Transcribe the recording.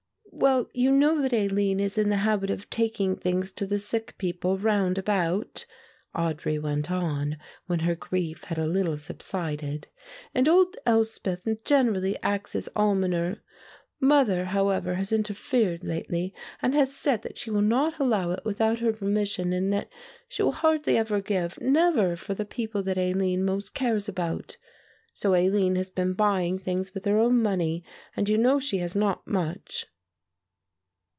"Well, you know that Aline is in the habit of taking things to the sick people round about," Audry went on, when her grief had a little subsided, "and old Elspeth generally acts as almoner. Mother, however, has interfered lately, and has said that she will not allow it without her permission and that, she will hardly ever give, never, for the people that Aline most cares about. So Aline has been buying things with her own money and you know she has not much."